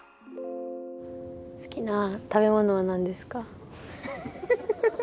すきな食べものは何ですか？